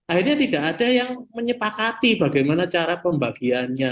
akhirnya tidak ada yang menyepakati bagaimana cara pembagiannya